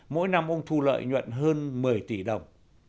mỗi năm ông thu lợi nhuận hơn một mươi tỷ đồng